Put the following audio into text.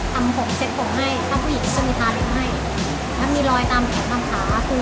ทำผมเสร็จผมให้ทำผู้หญิงชีวิตภารกิจให้แล้วมีรอยตามแถมภาพฤทธิ์